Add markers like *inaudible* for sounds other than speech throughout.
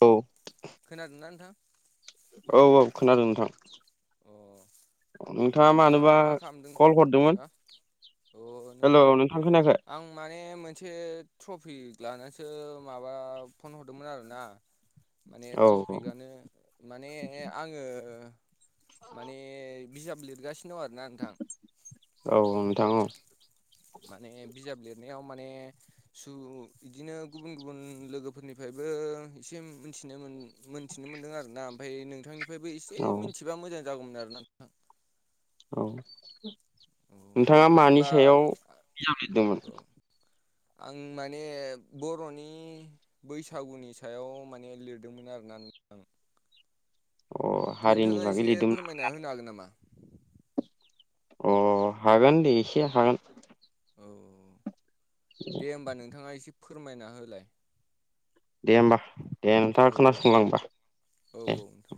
औ खोनादोंना नोंथां? औ औ खोनादों नोंथां। अ नोंथाङा मा खालामदों कल हरदोंमोन दा? अ हेल' नोंथां खोनायाखै आं माने मोन मोनसे ट्रफिक लानानैसो माबा फन हरदोंमोन आरोना। माने औ ट्रफिकआनो माने आङो माने बिजाब लिरगासिनो दं आरोना नोंथां। औ औ नोंथां औ। माने बिजाब लिरनायाव माने सु बिदिनो गुबुन गुबुन लोगोफोरनिफ्रायबो एसे मिथिनो मोन मोनथिनो मोन्दों आरोना, ओमफ्राय नोंथांनिफ्रायबो एसे औ मिथिबा मोजां जागौमोन आरोना। नोंथां औ औ नोंथाङा मानि होमबा सायाव बिजाब लिरदोंमोन? आं माने बर'नि बैसागुनि सायाव माने लिरदोंमोन आरोना नों अ हारिनि नोंथाङा बागै एसे लिरदोंमोन फोरमायना होनो हागोन नामा? अ हागोन दे एसे हागोन। औ दे होमबा नोंथाङा एसे फोरमायना होलाय। दे होमबा दे औ नोंथाङा औ खोनासंलां होनबा। औ औ नोंथां।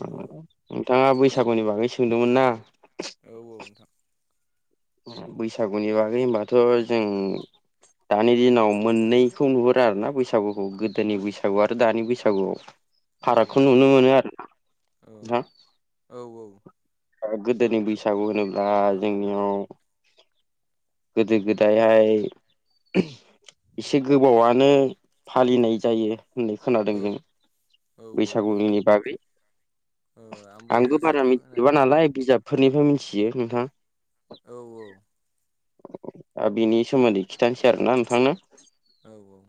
ओ नोंथाङा बैसागुनि बागै सोंदोंमोन ना। औ औ नोंथां। बैसागुनि बागै होनबाथ' जों दानि दिनाव मोननैखौ नुहुरो आरो ना बैसागुखौ गोदोनि बैसागु आरो दानि बैसागुआव औ। औ फारागखौ नुनो नोंथां मोनो आरोना औ नोंथां। औ औ। ओ गोदोनि बैसागु होनोब्ला जोंनियाव गोदो गोदायहाय एसे गोबावानो फालिनाय जायो होननाय खोनादों औ जों। औ औ बैसागुनि बागै औ आंबो एसे बारा मिथिजोबा खोनादों नालाय। बिजाबफोरनिफ्राय मिथियो नोंथां। औ औ। दा बिनि सोमोन्दै खिथानोसै आरोना नोंथांनो औ औ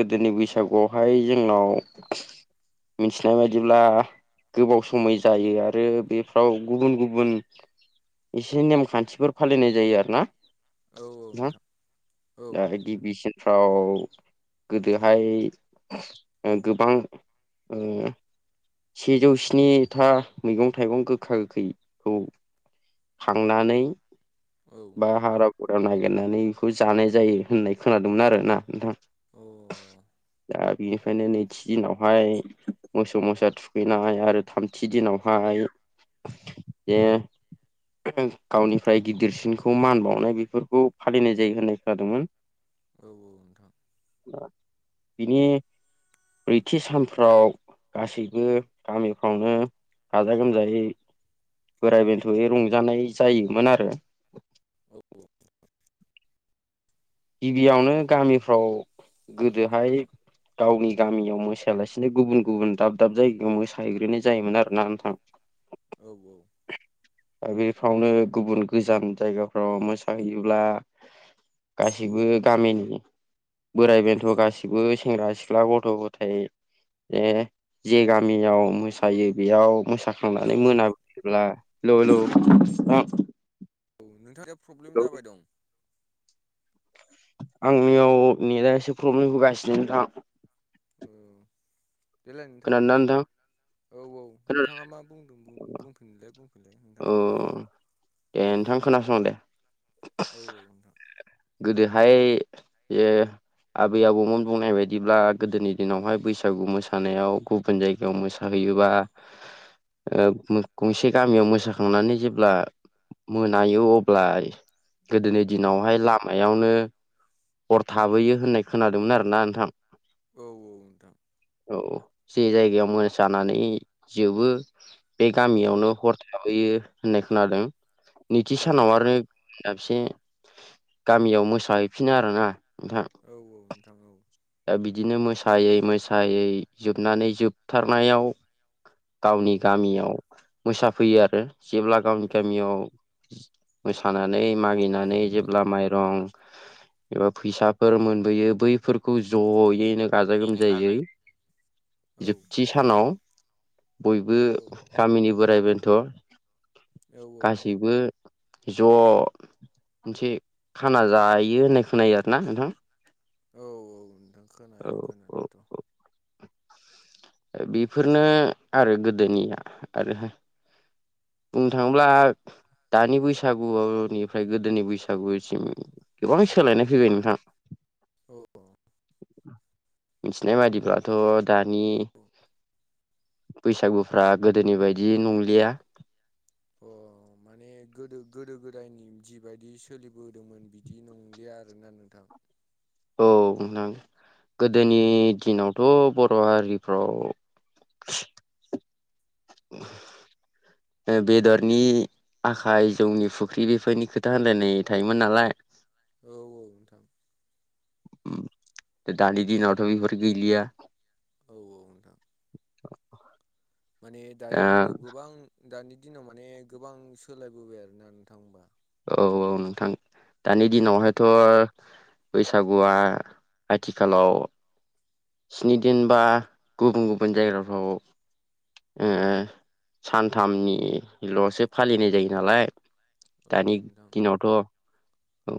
गोदोनि बैसागुआवहाय जोंनाव *inaudible* मिथिनाय बायदिल्बा गोबाव समाय जायो आरो बेफ्राव गुबुन गुबुन एसे नेम खान्थिफोर फालिनाय जायो आरो ना औ नोंथां औ दा गिबि सिन फाव गोदोहाय गोबां सेजौ स्नि था मैगं थाइगं गोखा गोखैखौ खांनानै औ बा हाग्रा बंग्रा नागिरनानै बेखौ जानाय जायो होननाय खोनादोंमोन आरो ना नोंथां औ दा बिनिखायनो नै थि दिनाव हाय मोसौ मोसा थुखैनाय आरो थामथि दिनावहाय *unintelligible* गावनिफ्राय गिदिरसिनखौ मान बावनाय बेफोरखौ फालिनाय जायो होननाय खोनादोंमोन औ औ नोंथां बिनि ब्रैथि सानफ्राव गासैबो गामिफ्रावनो गाजा गोमजायै बोराइ बेन्थ' रंजानाय जायोमोन आरो औ गिबियावनो गामिफ्राव गोदोहाय गावनि गामियाव मोसायालासेनो गुबुन गुबुन दाब दाब जायगायाव मोसाहैग्रोनाय जायोमोन आरो ना नोंथां औ औ बेफ्रावनो गुबुन गोजान जायगाफ्राव मोसाहैयोब्ला गासैबो गामिनि बोराइ बेन्थ' गासिबो सेंग्रा सिख्ला गथ' गथाय ए जे गामियाव मोसायो बेयाव हेलौ थांनानै मोनाबोब्ला ल' ल' औ नोंथांना फ्रब्लेम जाबाय दं आंनियाव नेथ आ एसे प्रब्लेम होगासिनो नोंथां औ देलाय नोंथाङा खोनादोंना बुंफिनलाय नोंथां औ औ खोनादों नोंथाङा मा बुंदों बुं बुंफिनलाय बुंफिनलाय नोंथां औ दे नोंथां खोनासं दे औ औ नोंथां गोदोहाय यो आबै आबौमोन बुंनाय बायदिब्ला गोदोनि दिनावहाय बैसागु मोसानायाव गुब गुबुन जायगायाव मोसाहैयोबा *inaudible* गंसे गामियाव मोसाखांनानै जेब्ला मोनायो अब्ला गोदोनि औ दिनावहाय लाब मायावनो हर थाबोयो होननाय खोनादोंमोन आरो ना नोंथां औ औ नोंथां औ औ जे जायगायाव मोसानानै जोबो बे औ गामियावनो हर थाबोयो होननाय खोनादों औ नैथि सानाव आरो दाबसे गामियाव मोसाहैफिनो आरोना नोंथां औ औ नोंथां औ दा बिदिनो मोसायै मोसायै जोबनानै जोबथारनायाव गावनि औ गामियाव मोसाफैयो आरो जेब्ला गावनि औ गामियाव मोसानानै मागिनानै जेब्ला माइरं एबा फैसाफोर मोनबोयो बैफोरखौ ज'यैनो गाजा बेनो गोमजायै गाजा औ जोबथि सानाव बयबो औ औ गामिनि बोराइ बेन्थ' औ औ नोंथां गासैबो ज' मोनसे खाना जायो होननाय खोनायो आरोना नोंथां औ औ नोंथां औ खोनायो औ खोनानायाथ' बेफोरनो आरो गोदोनिया आरो बुंनो थाङोब्ला दानि बैसागुनिफ्राय गोदोनि बैसागुसिम गोबां सोलायनाय फैबाय नोंथां औ मिथिनाय बादिब्लाथ' दानि बैसागुफ्रा गोदोनि बायदि नंलिया अ माने गोदो गोदो गोदायनि जिबायदि सोलिबोदोंमोन बिदि नंलिया आरोना नोंथां औ नोंथां गोदोनि औ दिनावथ' बर' हारिफ्राव बेदरनि आखाइ जौनि फुख्रि बेफोरनि खोथा होनलायनाय थायोमोन नालाय औऔ नोंथां दानि दिनावथ' बिफोर गैलिया औ औ नोंथां माने दानि दा दिनाव गोबां दानि दिनाव माने गोबां सोलायबोबाय आरोना नोंथां होमबा औ औ नोंथां दानि दिनावहायथ' बैसागुआ आथिखालाव स्नि दिन बा गुबुन गुबुन जायगाफ्राव ओ सानथामनिल'सो फालिनाय जायो नालाय औ दानि नोंथां दिनाव थ' औ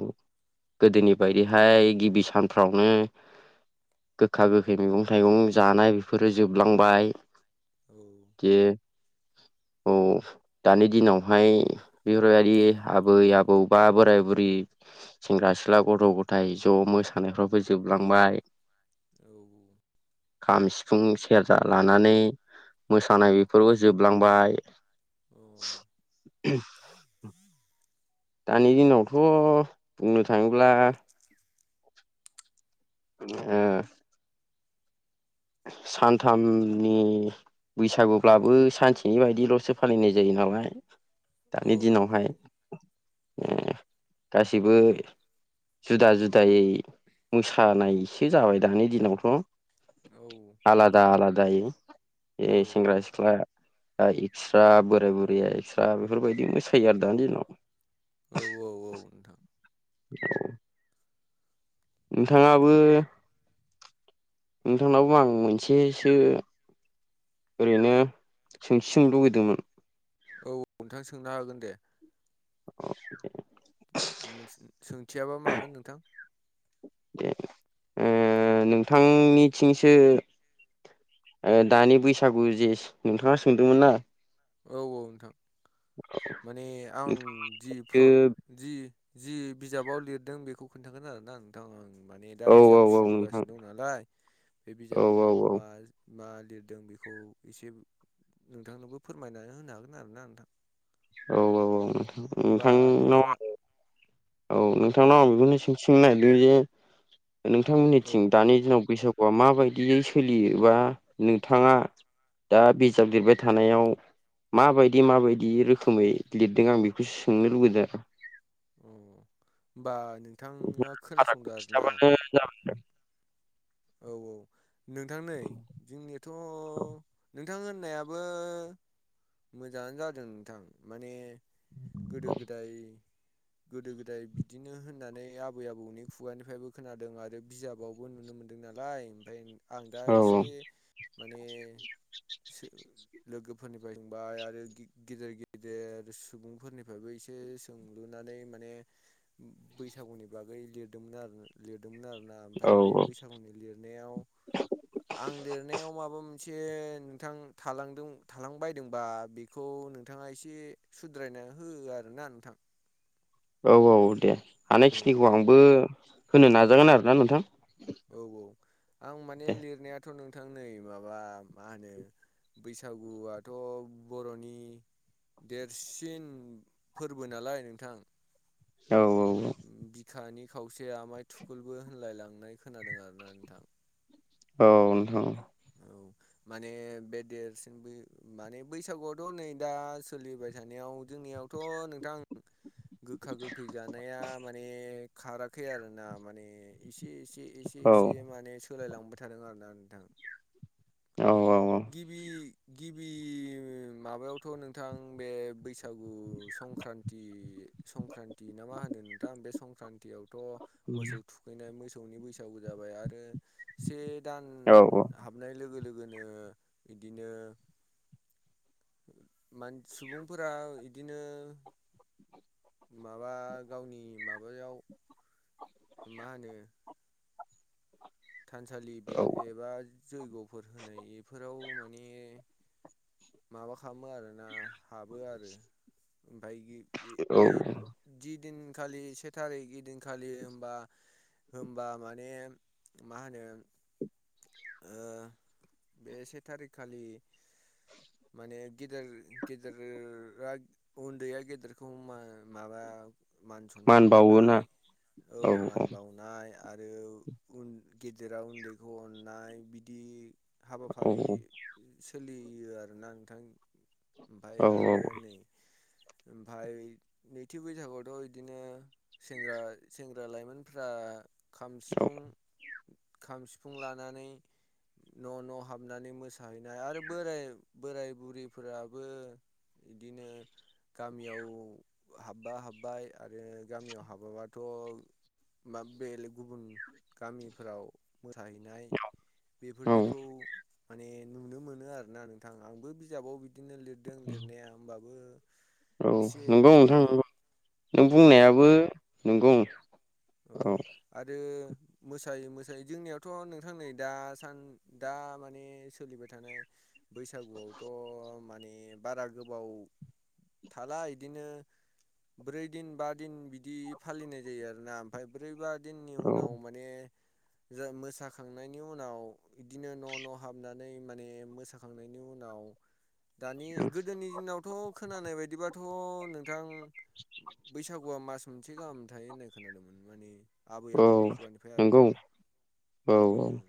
गोदोनि बायदिहाय गिबि सानफ्रावनो गोखा गोखै मैगं थाइगं जानाय बेफोरो जोबलांबाय औ बे औ दानि दिनावहाय बेफोरबायदि आबै आबौ बा बोराय बुरि सेंग्रा सिख्ला गथ' गथाय ज' मोसानायफ्रावबो जोबलांबाय। औ औ खाम सिफुं सेरजा लानानै मोसानाय बेफोरबो जोबलांबाय औ दानि दिनावथ' बुंनो थाङोब्ला ओ सानथामनि बैसागुब्लाबो सानसेनि बायदिल'सो फालिनाय जायो नालाय। औ दानि नोंथां दिनावहाय औ उम गासिबो जुदा जुदायै मोसानाय। है जाबाय दानि दिनावथ'। औ आलादा आलादायै औ ए सेंग्रा सि ख्ला ओ एखस्रा बोराय बुरिया एखस्रा बेफोरबायदि मोसायो आरो दानि दिनाव। औ औ औ नोंथां। औ ओंथाङाबो नोंथांनावबो आं मोनसेसो ओरैनो सोंथि सोंनो लुबैदोंमोन। औ *unintelligible* थां सोंनो हागोन दे। *unintelligible* मोनस सोंथियाबा मामोन नोंथां। दे ओ नोंथांनि थिंसो ओ दानि बैसागु जे नोंथाङा सोंदोंमोन ना। औ औ नोंथां माने आं जि प्र नोंसो जि जि बिजाबाव लिरदों बेखौ खोन्थागोन आरोना नोंथां आं माने दा औ औ बिजाब औ सुजुगास नोंथां दं नालाय बे औ बिजाबाव मा मा लिरदों बेखौ एसे नोंथांनोबो फोरमायनानै होनो हागोन आरोना नोंथां। औ औ औ होमबा नोंथां नोंथांनाव नोंथाङा औ नोंथांनाव आं बेखौनो सोंथिं सोंनो नागिरदों जे नोंथां औ अ मोननिथिं दानि दिनाव बैसाग अवा माबायदियै सोलियो एबा नोंथाङा दा बिजाब लिरबाय थानायाव मा बायदि मा बायदि रोखोमै लिरदों आं बेखौ सोंनो लुगैदो। अ' होमबा नोंथाङा फारागखौ खोनासंदो आरोना। *unintelligible* औ औ नोंथां नै जोंनियाथ' नोंथां होननायाबो मोजाङानो जादों नोंथां। माने गोदो औ गोदाय गोदो गोदाय बिदिनो होननानै आबै आबौनि खुगानिफ्रायबो खोनादों आरो बिजाबावबो नुनो मोन दों नालाय ओमफ्राय आं दा औ एसे माने सो लोगोफोरनिफाय रोंबाय आरो गि गेदेर गेदेर सुबुंफोरनिफायबो एसे सों लुनानै माने बैसागुनि बागै लिरदोंमोन आरो। लिरदोंमोन आरोना औ ओमफाय बे बैसागुनि लिरनायाव आं लिरनायाव माबा मोनसे नोंथां थालांदों थालांबायदोंबा बेख खौ नोंथाङा एसे सुद्रायना हो आरोना नोंथां। औ औ दे औ हानायखिनिखौ आंबो होनो नाजागोन आरोना नोंथां। औ औ आं माने दे लिरनायाथ' नोंथां नै माबा मा होनो बैसागुआथ' बर'नि देरसिन फोरबो नालाय नोंथां। औ औ उम बिखानि खावसे आमाय थुखुलबो होनलायलांनाय खोनादों आरोना नोंथां। औ नोंथां औ माने बे देरसिनबो माने बैसागुआवथ' नै दा सोलिबाय थानायाव जोंनियावथ' नोंथां गोखा गोखै जानाया माने खाराखै आरोना माने एसे एसे एसे औ एसे माने सोलायलांबाय थादों आरोना नोंथां औ औ गिबि गिबि माबायावथ' नोंथां बे बैसागु संक्रान्ति संक्रान्ति ना मा होनो नोंथां बे संक्रान्तियावथ' औ मोसौ थु खैनाय मोसौनि बैसागु जाबाय आरो से दान औ हाबनाय लोगो लोगोनो बिदिनो मान सुबुंफोरा इदिनो। माबा गावनि माबायाव। मा होनो। थानसालि बे औ एबा जैग'फोर होनाय एफोराव माने माबा खालामो आरोना हाबो आरो ओमफ्राय औ *unintelligible* जिदिनखालि से थारिख इदिनखालि होनबा होनबा माने मा होनो ओ बे से थारिखखालि माने गेदेर गेदेरा उन्दैया गेदेरखौ मा माबा मान सनमान लानाय औ मान बाव नाय आरो उन गेदेराव उन्दैखौ अननाय बिदि औ हाबाफारि सोलियो आरोना नोंथां ओमफ्राय आरो औ नै ओमफाय नैथि बैसागुआवथ' इदिनो सेंग्रा सेंग्रा लाइमोनफ्रा खाम औ सिफुं खाम सिफुं ला नानै न' न' हाबनानै मोसाहैनाय आरो बोराय बोराय बुरैफोराबो इदिनो गामियाव हाबबा हाब्बाय आरो गामियाव हाबाबाथ' बा बेलेग गुबुन गामिफोराव मोसाहैनाय औ बेफोरदिखौ माने नुनो मोनो आरोना नोंथां आंबो बिजाबाव बिद दिनो लिरदों लिरनाया होमबाबो औ एसे नोंगौ माने नोंथां नोंगौ नों औ बुंनायाबो नोंगौ। औ आरो मोसायो मोसायो जोंनियावथ' नोंथां नै दासान दा माने सोलिबाय थानाय बैसागुआवथ' माने बारा गोबाव थाला इदिनो ब्रै दिन बा दिन बिदि फालिनाय जायो आरोना। ओमफ्राय ब्रै बा दिननि औ उनाव माने जों मोसाखांनायनि उनाव बिदिनो न' न' हाबनानै माने मोसाखांनायनि उनाव दानि गोदोनि दिनावथ' खोनानाय बायदिबाथ' नों थां बैसागुआ मास मोनसे गाहाम थायो होननाय खोनादोंमोन माने आबै औ आबौनि खुगानिफ्राय आरो नंगौ ना औ ओम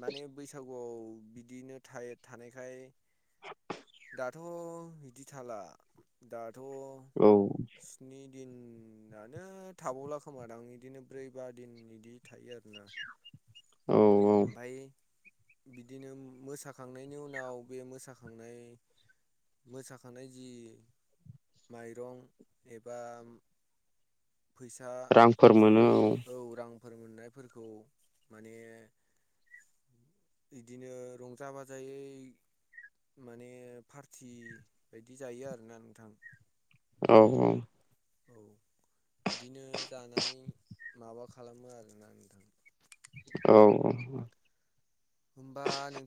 माने बैसागुआव बिदिनो थाय-थानायखाय दा थ' इदि थाला दाथ' औ। स्नि दिनानो थाबावला खोमादों बिदिनो ब्रै बा दिन बिदि थायो आरोना। औ औ ओमफफ्राय बिदिनो मोसाखांनायनि उनाव बे मोसाखांनाय। मोसाखानाय जि माइरं एबा। फैसा रांफोर मोनो औ रांफोर मोननायफोरखौ माने‌। बिदिनो रंजा बाजायै। माने पार्टि बायदि जायो आरोना नोंथां। औ औ। औ बिदिनो जानानै माबा खालामो आरोना नोंथां। औ औ। होमबा नों।